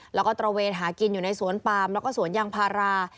แล้วก็ตระเวนหากินอยู่ในสวนปามแล้วก็สวนยางพารา